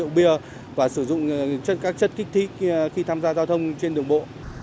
rượu bia và sử dụng các chất kích thích khi tham gia giao thông trên đường bộ